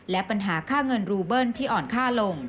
และปัญหาค่าเงินรูเบิ้ลที่อ่อนค่าลง